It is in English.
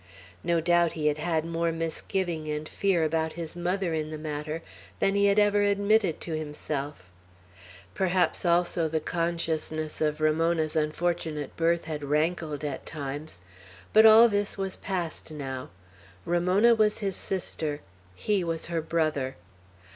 No doubt he had had more misgiving and fear about his mother in the matter than he had ever admitted to himself; perhaps also the consciousness of Ramona's unfortunate birth had rankled at times; but all this was past now. Ramona was his sister. He was her brother.